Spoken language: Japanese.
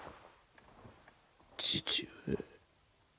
父上。